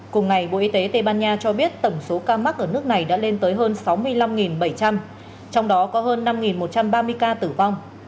cùng ngày bộ y tế tây ban nha cho biết tổng số ca mắc ở nước này đã lên tới hơn sáu mươi năm bảy trăm linh trong đó có hơn năm một trăm ba mươi ca tử vong